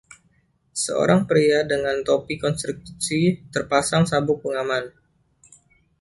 Seorang pria dengan topi konstruksi terpasang sabuk pengaman.